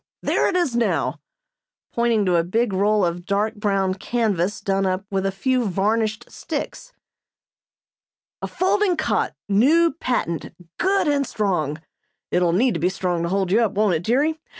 There it is now," pointing to a big roll of dark brown canvas done up with a few varnished sticks. "A folding cot new patent good and strong. (It'll need to be strong to hold you up, won't it, dearie?)